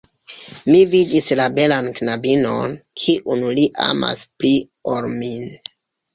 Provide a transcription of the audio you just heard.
Mi vidis la belan knabinon, kiun li amas pli ol min!